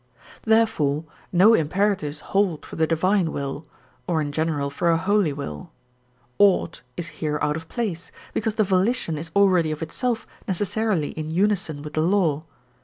Therefore no imperatives hold for the Divine will, or in general for a holy will; ought is here out of place, because the volition is already of itself necessarily in unison with the law.